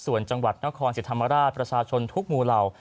ส่วนจังหวัดนครศรีธรรมราชประชาชนทุกหมู่เหล่า